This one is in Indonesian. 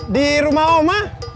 di rumah oma